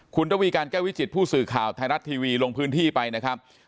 คุณระวีการแก้ววิจิตผู้สื่อข่าวไทยรัฐทีวีลงพื้นที่ไปนะครับ